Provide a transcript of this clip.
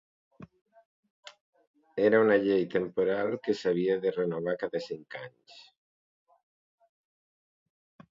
Era una llei temporal que s'havia de renovar cada cinc anys.